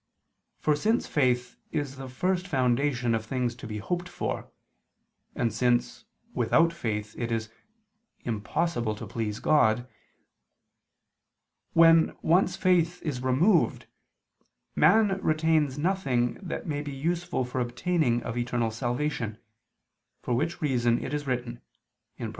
For since faith is the first foundation of things to be hoped for, and since, without faith it is "impossible to please God"; when once faith is removed, man retains nothing that may be useful for the obtaining of eternal salvation, for which reason it is written (Prov.